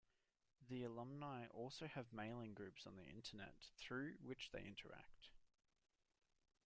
The alumni also have mailing groups on the internet through which they interact.